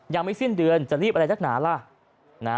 ยังไม่สิ้นเดือนจะรีบอะไรนักหนาล่ะ